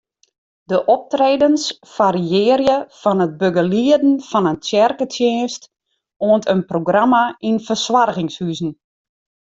De optredens fariearje fan it begelieden fan in tsjerketsjinst oant in programma yn fersoargingshuzen.